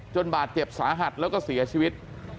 บาดเจ็บสาหัสแล้วก็เสียชีวิต